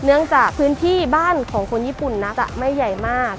เนื่องจากพื้นที่บ้านของคนญี่ปุ่นนักไม่ใหญ่มาก